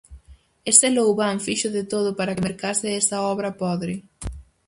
Ese loubán fixo de todo para que mercase esa obra podre.